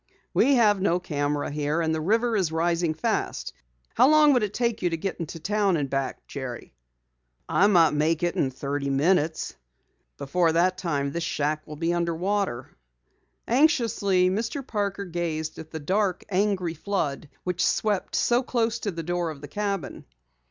"We have no camera here, and the river is rising fast. How long would it take you to get to town and back, Jerry?" "I might make it in thirty minutes." "Before that time, this shack will be under water." Anxiously, Mr. Parker gazed at the dark, angry flood which swept so close to the door of the cabin.